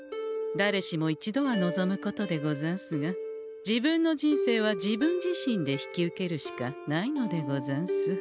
だれしも一度は望むことでござんすが自分の人生は自分自身で引き受けるしかないのでござんす。